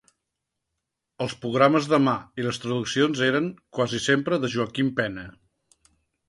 Els programes de mà i les traduccions eren, quasi sempre, de Joaquim Pena.